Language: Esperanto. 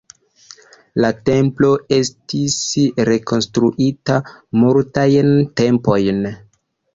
La templo estis rekonstruita multajn tempojn.